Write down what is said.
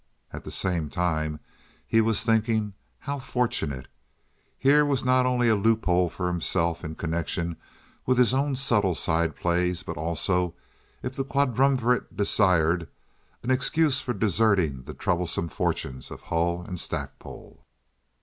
At the same time he was thinking "How fortunate!" Here was not only a loophole for himself in connection with his own subtle side plays, but also, if the quadrumvirate desired, an excuse for deserting the troublesome fortunes of Hull & Stackpole.